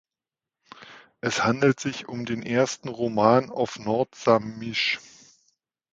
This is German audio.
Es handelt sich um den ersten Roman auf Nordsamisch.